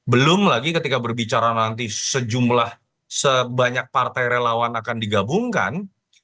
belum lagi ketika berbicara nanti sejumlah sebanyak partai relawan akan digabungkan